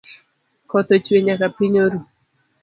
Koth ochwe nyaka piny oru